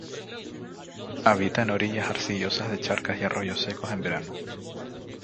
Habita en orillas arcillosas de charcas y arroyos secos en verano.